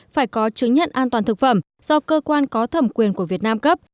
phải có chứng nhận an toàn thực phẩm do cơ quan có thẩm quyền của việt nam cấp